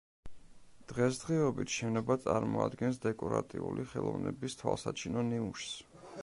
დღესდღეობით შენობა წარმოადგენს დეკორატიული ხელოვნების თვალსაჩინო ნიმუშს.